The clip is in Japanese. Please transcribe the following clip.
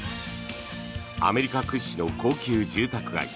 アメリカ屈指の高級住宅街